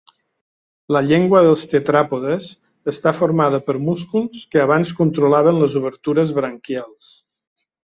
La llengua dels tetràpodes està formada per músculs que abans controlaven les obertures branquials.